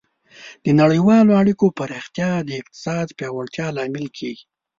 د نړیوالو اړیکو پراختیا د اقتصاد پیاوړتیا لامل کیږي.